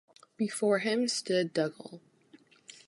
Before him stood Dougal.